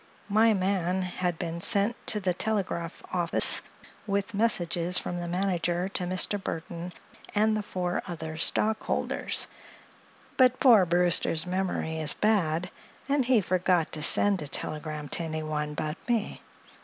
My man had been sent to the telegraph office with messages from the manager to Mr. Burthon and the four other stockholders; but poor Brewster's memory is bad, and he forgot to send a telegram to anyone but me.